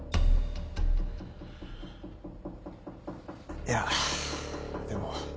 いやでも。